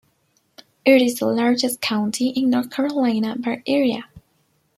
It is the largest county in North Carolina by area.